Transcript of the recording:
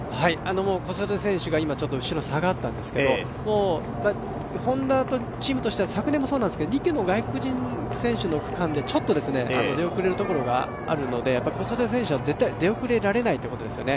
小袖選手が今ちょっと後ろに下がったんですけれども、Ｈｏｎｄａ、チームとしては２区の外国人選手の区間でちょっと出遅れるところがあるので、小袖選手は絶対出遅れられないというとですよね。